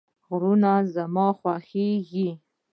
غرونه زما خوښیږي